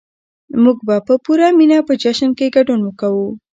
موږ به په پوره مينه په جشن کې ګډون کوو.